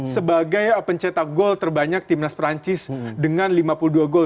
sebagai pencetak gol terbanyak timnas perancis dengan lima puluh dua gol